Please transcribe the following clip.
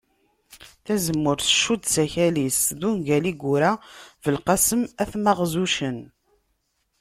Tazemmurt tcudd s akal-is d ungal i yura Belqesem At Maɣzuccen